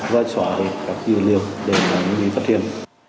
vài xóa được các dữ liệu để phát hiện